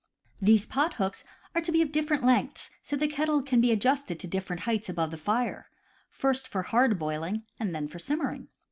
These pot hooks are to be of different lengths so that the kettle can be adjusted to different heights above the fire, first for hard boiling, and then for simmering.